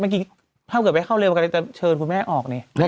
เมื่อกี้ถ้าเกิดไม่เข้าเลือกไปจะเชิญคุณแม่ออกเนี่ย